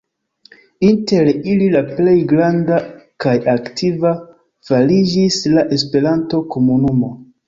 Inter ili la plej granda kaj aktiva fariĝis la Esperanto-komunumo.